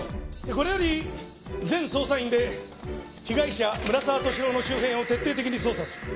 これより全捜査員で被害者村沢利朗の周辺を徹底的に捜査する。